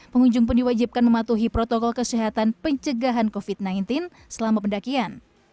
pengunjung pun diwajibkan mematuhi protokol kesehatan pencegahan covid sembilan belas selama pendakian